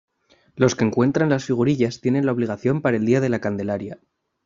Los que encuentran las figurillas tienen la obligación para el día de la Candelaria.